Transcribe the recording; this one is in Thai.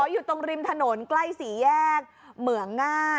อยู่ตรงริมถนนใกล้สี่แยกเหมืองง่าย